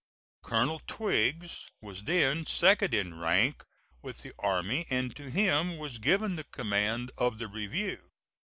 Colonel Twiggs was then second in rank with the army, and to him was given the command of the review.